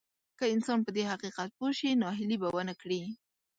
که انسان په دې حقيقت پوه شي ناهيلي به ونه کړي.